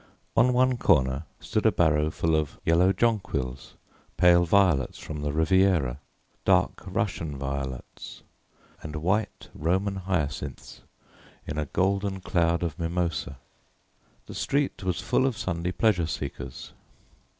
On one corner stood a barrow full of yellow jonquils, pale violets from the Riviera, dark Russian violets, and white Roman hyacinths in a golden cloud of mimosa. The street was full of Sunday pleasure seekers.